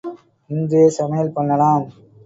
இன்றே சமையல் பண்ணலாம்.